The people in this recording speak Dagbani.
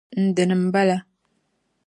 N-dini m-bala.